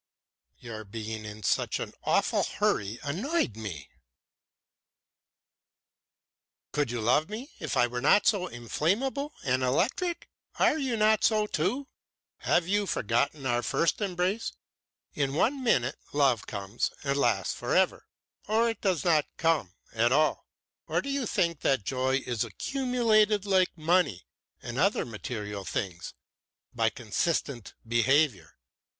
"Your being in such an awful hurry annoyed me." "Could you love me if I were not so inflammable and electric? Are you not so too? Have you forgotten our first embrace? In one minute love comes and lasts for ever, or it does not come at all. Or do you think that joy is accumulated like money and other material things, by consistent behavior?